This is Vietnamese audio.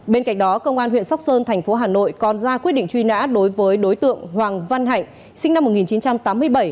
bên cạnh đó công an huyện sóc sơn thành phố hà nội còn ra quyết định truy nã đối với đối tượng hoàng văn hạnh sinh năm một nghìn chín trăm tám mươi bảy